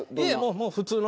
もう普通の。